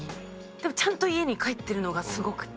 でもちゃんと家に帰ってるのがすごくて。